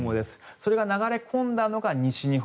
それが流れ込んだのが西日本。